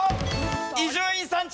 伊集院さん